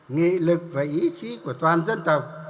nghị lực và ý chí của toàn dân tộc